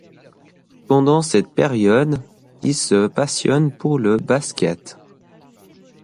Pendant cette période, il se passionne pour le basket.